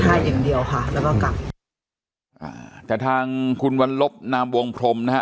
อย่างเดียวค่ะแล้วก็กลับอ่าแต่ทางคุณวันลบนามวงพรมนะฮะ